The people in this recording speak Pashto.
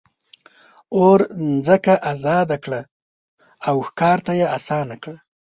اور ځمکه آزاده کړه او ښکار ته یې آسانه کړه.